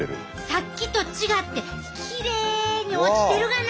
さっきと違ってきれいに落ちてるがな。